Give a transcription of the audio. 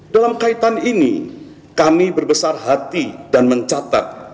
dalam kaitan ini kami berbesar hati dan mencatat